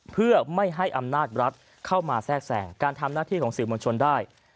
เพื่อไม่ให้อำนาจรัฐเข้ามาแทรกแสงการทำหน้าที่ของสื่อมวลชนได้